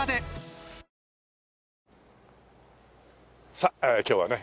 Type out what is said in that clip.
さあ今日はね